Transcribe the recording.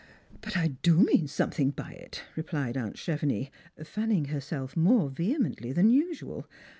*' But I do mean something by it," replied aunt Chevenix, fanning herself more vehemently than usual.